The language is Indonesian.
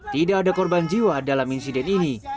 tidak ada korban jiwa dalam insiden ini